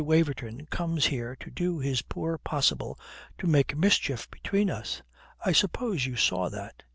Waverton comes here to do his poor possible to make mischief between us. I suppose you saw that.